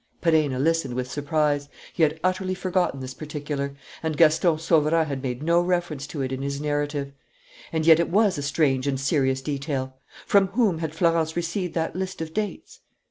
Perenna listened with surprise: he had utterly forgotten this particular; and Gaston Sauverand had made no reference to it in his narrative. And yet it was a strange and serious detail. From whom had Florence received that list of dates?